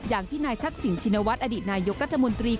อย่างที่นายทักษิณชินวัฒน์อดีตนายกรัฐมนตรี